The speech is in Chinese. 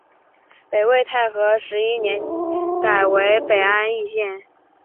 北魏太和十一年改为北安邑县。